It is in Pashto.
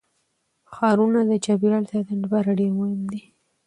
ښارونه د چاپیریال ساتنې لپاره ډېر مهم دي.